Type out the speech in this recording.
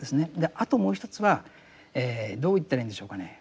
あともう一つはどう言ったらいいんでしょうかね。